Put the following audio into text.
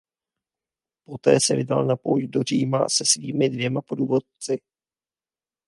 Poté se vydal na pouť do Říma se svými dvěma průvodci.